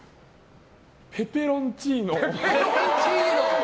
ペペロンチーノ。